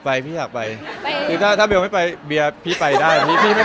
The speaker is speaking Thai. แสวได้ไงของเราก็เชียนนักอยู่ค่ะเป็นผู้ร่วมงานที่ดีมาก